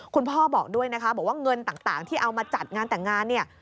คุณพ่อบอกด้วยนะคะบอกว่าเงินต่างที่เอามาจัดงานแต่งงานเนี่ย